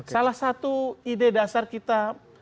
salah satu ide dasar kita